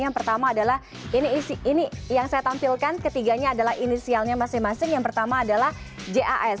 yang pertama adalah ini yang saya tampilkan ketiganya adalah inisialnya masing masing yang pertama adalah jas